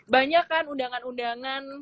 banyak kan undangan undangan